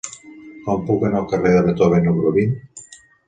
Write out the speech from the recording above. Com puc anar al carrer de Beethoven número vint?